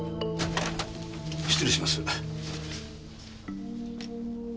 失礼します。